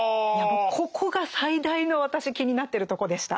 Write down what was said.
ここが最大の私気になってるとこでした。